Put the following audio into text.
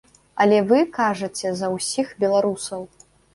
Але вы кажаце за ўсіх беларусаў.